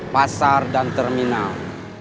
pasar dan terminal